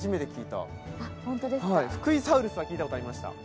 フクイサウルスは聞いたことありました。